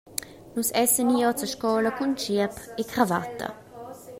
Nus essan i oz a scola cun tschiep e cravatta.